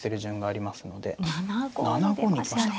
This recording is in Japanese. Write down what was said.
７五に出ましたね。